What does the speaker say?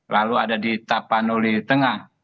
lalu ada di tapanuli tengah